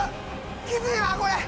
きついわこれ！